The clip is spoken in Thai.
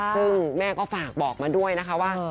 ซึ่งแม่ก็ฝากบอกมาด้วยนะคะว่า